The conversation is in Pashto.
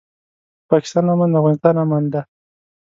د پاکستان امن د افغانستان امن دی.